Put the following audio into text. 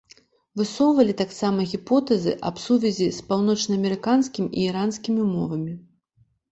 Высоўвалі таксама гіпотэзы аб сувязі з паўночнаамерыканскімі і іранскімі мовамі.